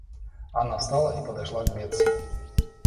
Анна встала и подошла к Бетси.